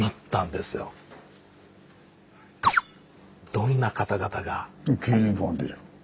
どんな方々が。